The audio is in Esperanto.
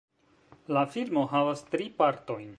La filmo havas tri partojn.